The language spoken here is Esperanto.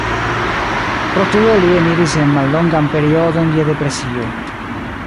Pro tio li eniris en mallongan periodon je depresio.